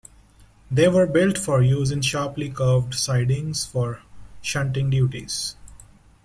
They were built for use in sharply curved sidings for shunting duties.